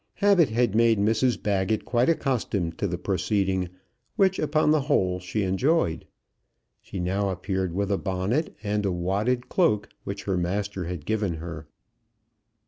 Habit had made Mrs Baggett quite accustomed to the proceeding, which upon the whole she enjoyed. She now appeared with a bonnet, and a wadded cloak which her master had given her.